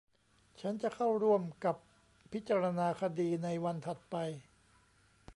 ฉันจะเข้าร่วมกับพิจารณาคดีในวันถัดไป